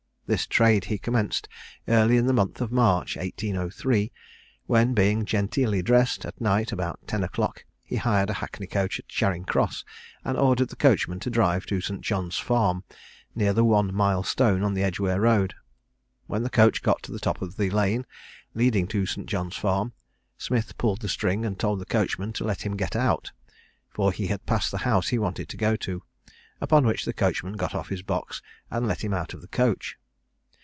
This trade he commenced early in the month of March, 1803, when, being genteelly dressed, at night about ten o'clock, he hired a hackney coach at Charing cross, and ordered the coachman to drive to St. John's Farm, near the one mile stone on the Edgeware road. When the coach got to the top of the lane leading to St. John's Farm, Smith pulled the string, and told the coachman to let him get out, for he had passed the house he wanted to go to; upon which the coachman got off his box, and let him out of the coach.